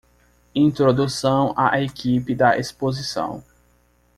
Introdução à equipe da exposição